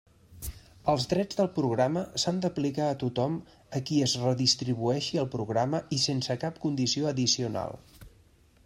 Els drets del programa s'han d'aplicar a tothom a qui es redistribueixi el programa i sense cap condició addicional.